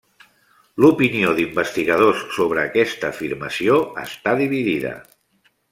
L'opinió d'investigadors sobre aquesta afirmació està dividida.